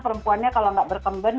perempuannya kalau tidak berkemben